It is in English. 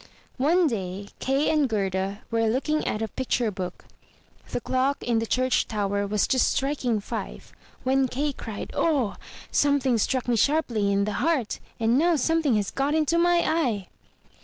One day Kay and Gerda were looking at a picture book — the clock in the church tower was just striking five — ^when Kay cried, "O! Something struck me sharply in the heart; and now something has got into my eye!''